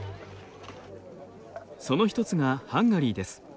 その一つがハンガリーです。